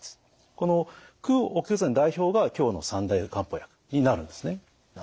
この駆血剤の代表が今日の三大漢方薬になるんですね。